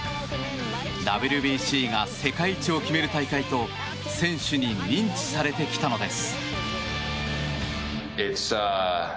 ＷＢＣが世界一を決める大会と選手に認知されてきたのです。